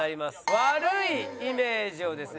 悪いイメージをですね